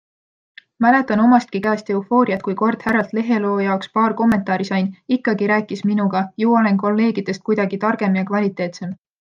Mäletan omastki käest eufooriat, kui kord härralt leheloo jaoks paar kommentaari sain - ikkagi rääkis minuga, ju olen kolleegidest kuidagi targem ja kvaliteetsem!